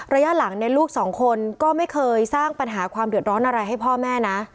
ระยะหลังลูกสองคนก็ไม่เคยสร้างปัญหาความเดือดร้อนอะไรให้พ่อแม่นะ